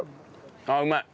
あっうまい！